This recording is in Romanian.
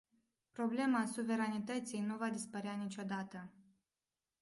Problema suveranității nu va dispărea niciodată.